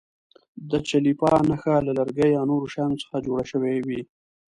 د چلیپا نښه له لرګیو یا نورو شیانو څخه جوړه شوې وي.